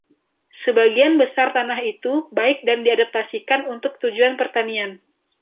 Sebagian besar tanah itu baik dan diadaptasikan untuk tujuan pertanian.